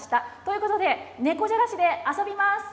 ということで、猫じゃらしで遊びます。